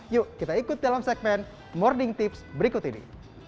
yuk kita ikut dalam segmen morning tips berikut ini